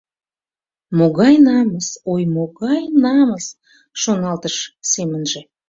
«Могай намыс, ой, могай намыс! — шоналтыш семынже.